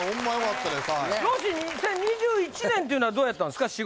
２０２１年っていうのはどうやったんですか